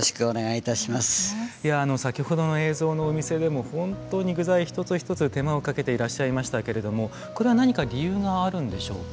いや先ほどの映像のお店でも本当に具材一つ一つ手間をかけていらっしゃいましたけれどもこれは何か理由があるんでしょうか？